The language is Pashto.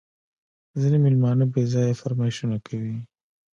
ځیني مېلمانه بېځایه فرمایشونه کوي